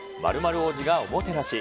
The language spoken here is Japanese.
○○王子がおもてなし。